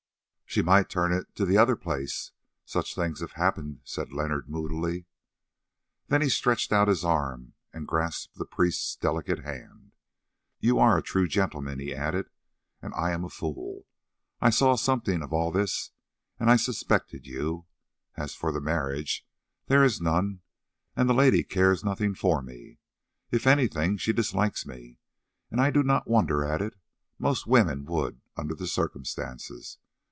"She might turn it to the other place; such things have happened," said Leonard moodily. Then he stretched out his arm and grasped the priest's delicate hand. "You are a true gentleman," he added, "and I am a fool. I saw something of all this and I suspected you. As for the marriage, there is none, and the lady cares nothing for me; if anything, she dislikes me, and I do not wonder at it: most women would under the circumstances.